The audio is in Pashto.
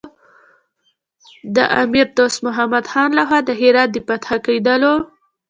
د امیر دوست محمد خان له خوا د هرات د فتح کېدلو.